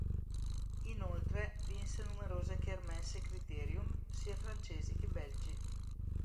Inoltre vinse numerose kermesse e criterium, sia francesi che belgi.